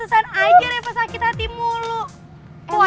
cakam cakam juga gue